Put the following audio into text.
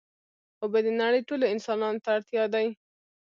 اوبه د نړۍ ټولو انسانانو ته اړتیا دي.